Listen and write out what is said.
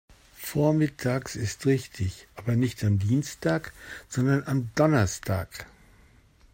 Vormittags ist richtig, aber nicht am Dienstag, sondern am Donnerstag.